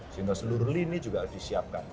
sehingga seluruh lini juga harus disiapkan